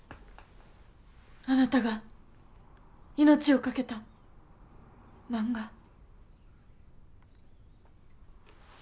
あなたが命を懸けた漫画。